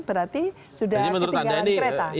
berarti sudah ketinggalan kereta